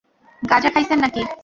গাঁজা খাইছেন নাকি!